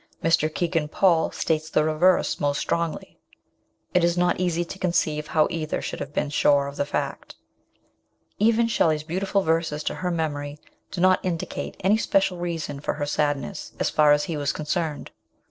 Mr. Kegan Paul states the reverse most strongly. It is not easy to conceive how either should have been sure of the fact. Even Shelley's beautiful verses to her memory do not indicate any special reason for her sadness, as far as he was concerned.